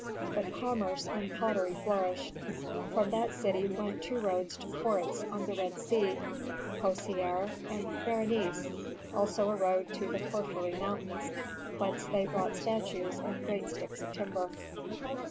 But commerce and pottery flourished. From that city went two roads to ports on the Red Sea: Koseir and Berenice, also a road to the porphyry mountains, whence they brought statues and great sticks of timber.